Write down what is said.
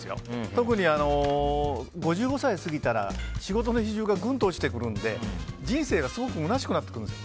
特に５５歳過ぎたら仕事の比重がぐんと落ちてくるので人生がすごくむなしくなってくるんです。